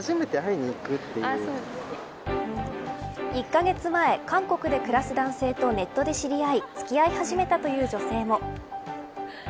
１カ月前、韓国で暮らす男性とネットで知り合い付き合い始めたという女性も。